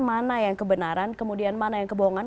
mana yang kebenaran kemudian mana yang kebohongan